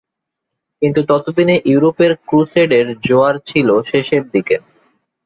কিন্তু ততদিনে ইউরোপের ক্রুসেডের জোয়ার ছিলে শেষের দিকে।